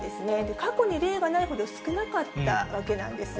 過去に例がないほど少なかったわけなんです。